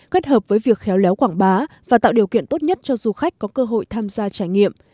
kết hợp với việc khéo léo quảng bá và tạo điều kiện tốt nhất cho du khách có cơ hội tham gia trải nghiệm